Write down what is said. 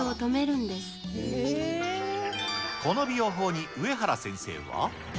この美容法に上原先生は。